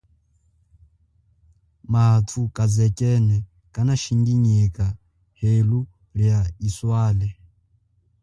Mathu kazekene kanashinginyeka helu lia iswale.